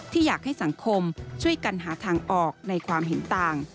อยากให้สังคมช่วยกันหาทางออกในความเห็นต่าง